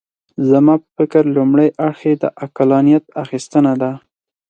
زما په فکر لومړی اړخ یې د عقلانیت اخیستنه ده.